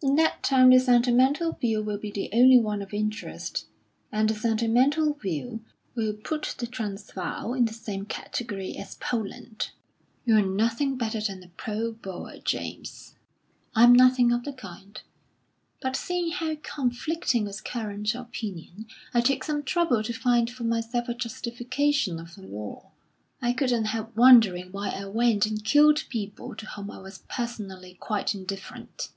In that time the sentimental view will be the only one of interest; and the sentimental view will put the Transvaal in the same category as Poland." "You're nothing better than a pro Boer, James." "I'm nothing of the kind; but seeing how conflicting was current opinion, I took some trouble to find for myself a justification of the war. I couldn't help wondering why I went and killed people to whom I was personally quite indifferent."